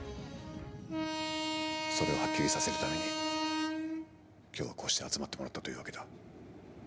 それをはっきりさせるために今日はこうして集まってもらったというわけだ。